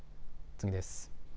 次です。